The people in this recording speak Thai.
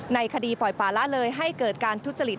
ในคดีปล่อยป่าละเลยให้เกิดการทุจริต